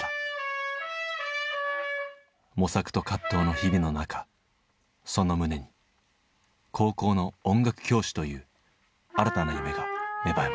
模索と葛藤の日々の中その胸に高校の音楽教師という新たな夢が芽生えました。